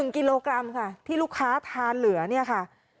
๑กิโลกรัมค่ะที่ลูกค้าทานเหลือเนี่ยค่ะ